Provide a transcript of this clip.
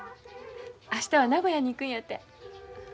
明日は名古屋に行くんやて。